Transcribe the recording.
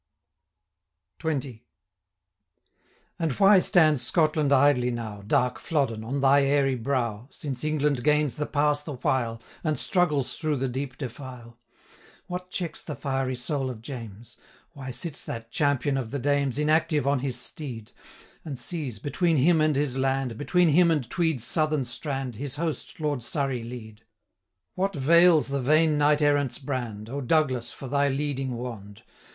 XX. And why stands Scotland idly now, Dark Flodden! on thy airy brow, Since England gains the pass the while, 600 And struggles through the deep defile? What checks the fiery soul of James? Why sits that champion of the dames Inactive on his steed, And sees, between him and his land, 605 Between him and Tweed's southern strand, His host Lord Surrey lead? What 'vails the vain knight errant's brand? O, Douglas, for thy leading wand!